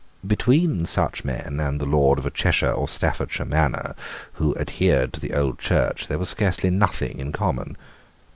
Between such men and the lord of a Cheshire or Staffordshire manor who adhered to the old Church there was scarcely anything in common.